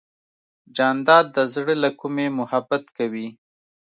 جانداد د زړه له کومې محبت کوي.